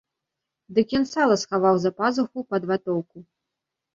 Дык ён сала схаваў за пазуху пад ватоўку.